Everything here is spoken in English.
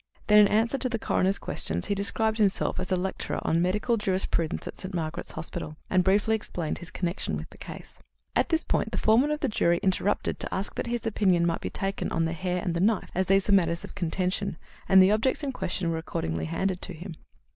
Then, in answer to the coroner's questions, he described himself as the lecturer on Medical Jurisprudence at St. Margaret's Hospital, and briefly explained his connection with the case. At this point the foreman of the jury interrupted to ask that his opinion might be taken on the hair and the knife, as these were matters of contention, and the objects in question were accordingly handed to him.